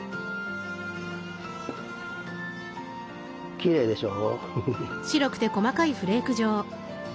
きれいでしょ？